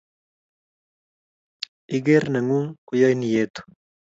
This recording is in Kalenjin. Iker nengung koyaiin ietu